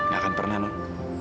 gak akan pernah non